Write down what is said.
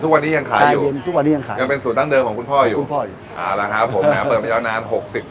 ว่ามีเฉินความอร่อยอย่างไรบ้าง